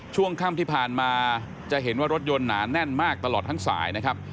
ช่วงค่ำที่ผ่านมาจะเห็นว่ารถยนต์หนาแน่นมากตลอดทั้งสายนะครับ